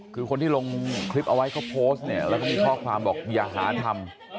คือคนที่ลงคลิปเอาไว้เขาโพสต์เนี่ยแล้วก็มีข้อความบอกอย่าหาทำ